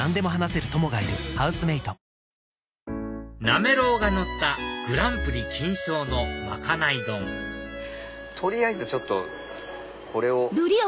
なめろうがのったグランプリ金賞のまかない丼取りあえずこれを。